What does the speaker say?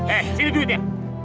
eh sini duitnya